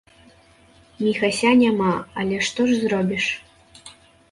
Міхася няма, але што ж зробіш?